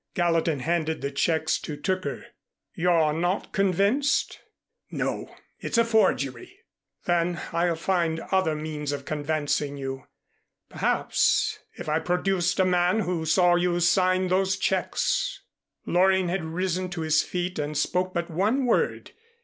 Gallatin handed the checks to Tooker. "You're not convinced?" "No. It's a forgery." "Then I'll find other means of convincing you. Perhaps, if I produced a man who saw you sign those checks " Loring had risen to his feet and spoke but one word.